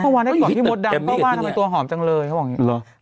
เมื่อวานได้กอดพี่มดดำเพราะว่าทำไมตัวหอมจังเลยเขาบอกอย่างนี้เหรอ